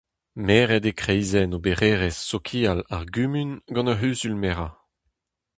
Meret eo Kreizenn Obererezh Sokial ar Gumun gant ur C'huzul-merañ.